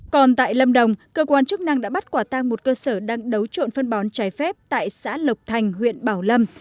còn tại lâm đồng cơ quan chức năng đã bắt quả tang một cơ sở đang đấu trộn phân bón trái phép tại xã lộc thành huyện bảo lâm